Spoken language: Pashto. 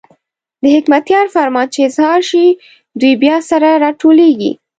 د حکمتیار فرمان چې اظهار شي، دوی بیا سره راټولېږي.